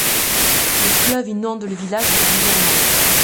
Le fleuve inonde le village régulièrement.